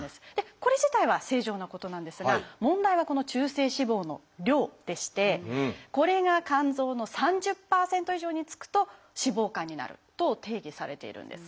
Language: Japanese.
これ自体は正常なことなんですが問題はこの中性脂肪の量でしてこれが肝臓の３０％以上につくと脂肪肝になると定義されているんです。